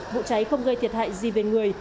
vụ cháy không gây thiệt hại gì về người